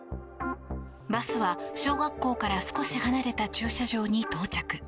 バスは小学校から少し離れた駐車場に到着。